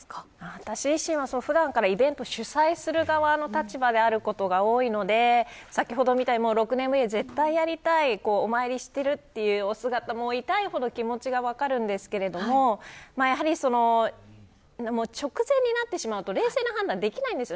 私は普段からイベントを主催する側の立場であることが多いので先ほどみたいに６年ぶり絶対やりたいとお参りしているというお姿痛いほど気持ちが分かるんですが直前になってしまうと冷静な判断ができないんです。